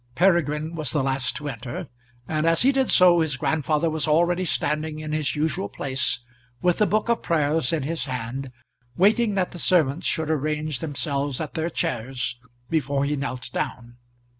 Peregrine was the last to enter, and as he did so his grandfather was already standing in his usual place, with the book of Prayers in his hand, waiting that the servants should arrange themselves at their chairs before he knelt down.